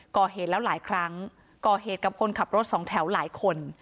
ก่อเหตุแล้วหลายครั้งก่อเหตุกับคนขับรถสองแถวหลายคน